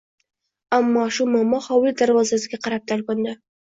Ana shu momo hovli darvozasiga qarab talpindi.